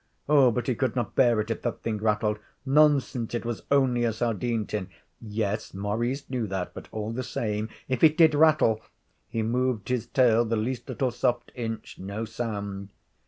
Oh, but he could not bear it if that thing rattled. Nonsense; it was only a sardine tin. Yes, Maurice knew that. But all the same if it did rattle! He moved his tail the least little soft inch. No sound.